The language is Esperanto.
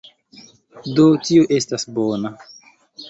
Do, tio estas bona